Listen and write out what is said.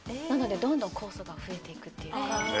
なのでどんどん酵素が増えて行くっていうか。